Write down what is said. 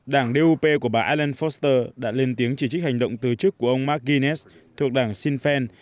đảng dup của bà arlen foster đã lên tiếng chỉ trích hành động từ chức của ông marginet thuộc đảng sinn féin